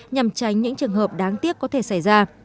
nhằm tránh những trường hợp đáng tiếc có thể xảy ra